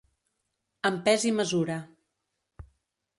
Amb pes i mesura.